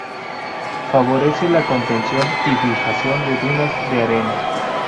Favorece la contención y fijación de dunas de arena.